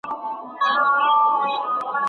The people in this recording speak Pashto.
ښايي داسې نه وي؟